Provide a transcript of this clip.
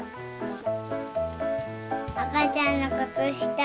あかちゃんのくつした。